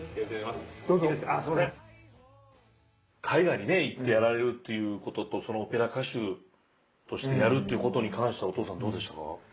海外にね行ってやられるっていう事とそのオペラ歌手としてやるということに関してはお父さんどうでしたか？